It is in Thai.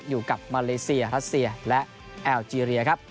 อยู่กับมาเลเซียรัสเซียและแอลเจรียครับ